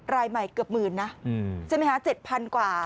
รายใหม่เกือบหมื่นนะใช่ไหมคะ๗๐๐กว่า